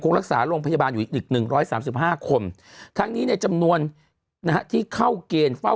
รักษาโรงพยาบาลอยู่อีก๑๓๕คนทั้งนี้ในจำนวนที่เข้าเกณฑ์เฝ้า